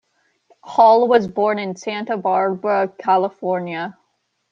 Hall was born in Santa Barbara, California.